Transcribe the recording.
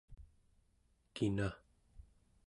kina